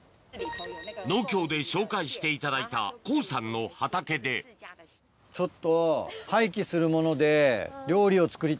農協で紹介していただいた黄さんの畑でちょっと。